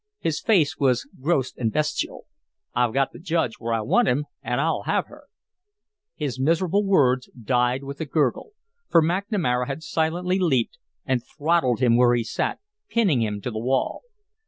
His face was gross and bestial. "I've got the Judge where I want him, and I'll have her " His miserable words died with a gurgle, for McNamara had silently leaped and throttled him where he sat, pinning him to the wall.